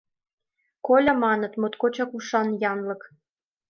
Коля, маныт, моткочак ушан янлык.